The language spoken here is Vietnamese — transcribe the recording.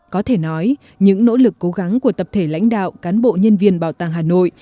có thể nói những nỗ lực cố gắng của tập thể lãnh đạo cán bộ nhân viên bảo tàng hà nội